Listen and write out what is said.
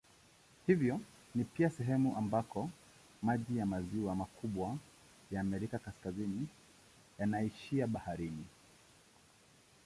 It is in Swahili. Hivyo ni pia sehemu ambako maji ya maziwa makubwa ya Amerika Kaskazini yanaishia baharini.